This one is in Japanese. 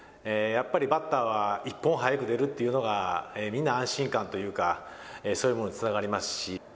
やっぱりバッターは１．４早く出るというのがみんな安心感というか、そういうものにつながりますし。